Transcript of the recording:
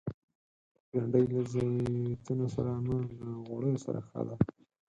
بېنډۍ له زیتونو سره نه، له غوړیو سره ښه ده